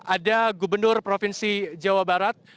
ada gubernur provinsi jawa barat